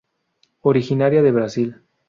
Originaria de Brasil.